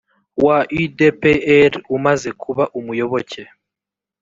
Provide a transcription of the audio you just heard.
wa u d p r umaze kuba umuyoboke